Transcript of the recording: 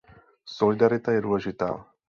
Solidarita je důležitá.